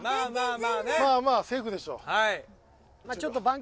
まあまあセーフでしょう。